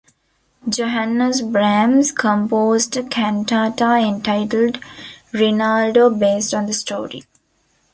Johannes Brahms composed a cantata entitled "Rinaldo" based on the story.